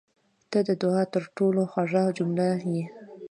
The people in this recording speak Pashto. • ته د دعا تر ټولو خوږه جمله یې.